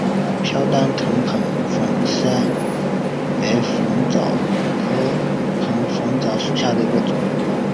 瓢箪藤棒粉虱为粉虱科棒粉虱属下的一个种。